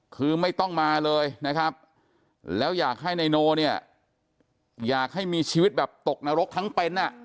คือไม่ต้องมาเลยนะครับแล้วอยากให้นายโนเนี่ยอยากให้มีชีวิตแบบตกนรกทั้งเป็นอ่ะ